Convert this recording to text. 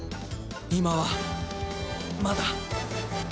今はまだ